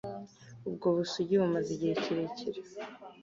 ubwo busugi bumaze igihe kirekire